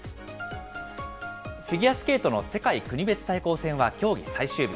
フィギュアスケートの世界国別対抗戦は競技最終日。